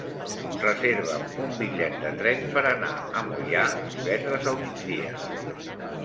Reserva'm un bitllet de tren per anar a Moià divendres al migdia.